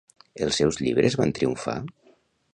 Els seus llibres van triomfar?